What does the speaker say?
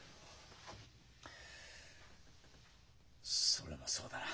それもそうだな。